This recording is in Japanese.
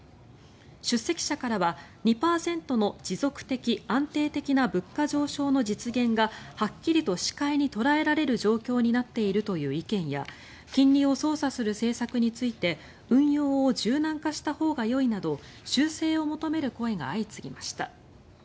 出席者からは２％の持続的・安定的な物価上昇の実現がはっきりと視界に捉えられる状況になっているという意見や金利を操作する政策について運用を柔軟化したほうがよいなど修正を求める声が相次ぎました。